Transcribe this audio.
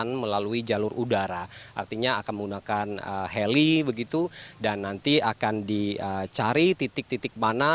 yang melalui jalur udara artinya akan menggunakan heli begitu dan nanti akan dicari titik titik mana